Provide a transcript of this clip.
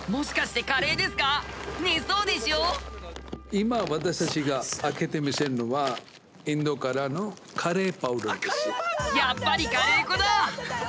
今私たちが開けて見せるのはやっぱりカレー粉だ！